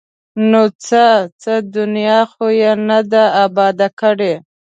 ـ نو څه؟ څه دنیا خو یې نه ده اباد کړې!